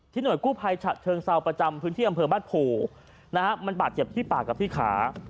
ที่หน่วยกู่ภัยะเฉิงเพือนเที่ยวบ้านผูมันบาดเจ็บที่ปากกับที่ขา